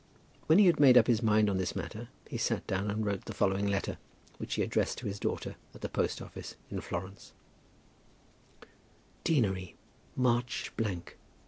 When he had made up his mind on this matter he sat down and wrote the following letter, which he addressed to his daughter at the post office in Florence: Deanery, March , 186